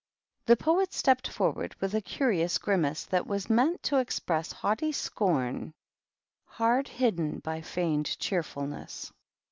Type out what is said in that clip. The Poet stepped forward with a curious grimi that was meant to express haughty scorn hi hidden by feigned cheerfulness.